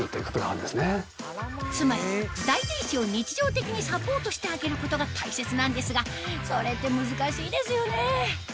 つまり大転子を日常的にサポートしてあげることが大切なんですがそれって難しいですよね